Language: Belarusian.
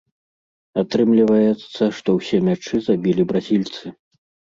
Атрымліваецца, што ўсе мячы забілі бразільцы.